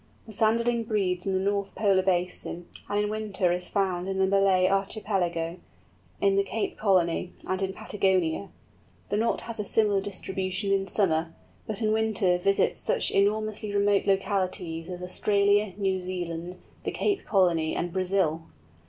The Sanderling breeds in the North Polar Basin, and in winter is found in the Malay Archipelago, in the Cape Colony, and in Patagonia; the Knot has a similar distribution in summer, but in winter visits such enormously remote localities as Australia, New Zealand, the Cape Colony, and Brazil!